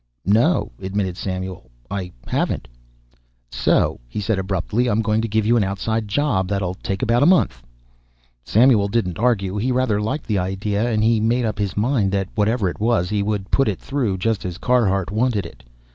"No," admitted Samuel; "I haven't." "So," he said abruptly "I'm going to give you an outside job that'll take about a month." Samuel didn't argue. He rather liked the idea and he made up his mind that, whatever it was, he would put it through just as Carhart wanted it.